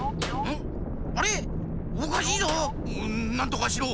んなんとかしろ！